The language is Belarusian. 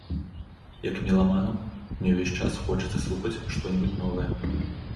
Як меламану, мне ўвесь час хочацца слухаць што-небудзь новае.